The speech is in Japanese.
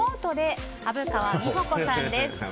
更にリモートで虻川美穂子さんです。